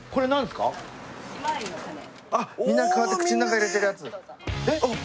あっみんなこうやって口の中に入れてるやつ。